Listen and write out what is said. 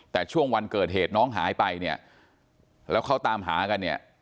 แต่ช่วงวันเกิดเหตุน้องหายไปเนี่ยแล้วเขาตามหากันเนี่ย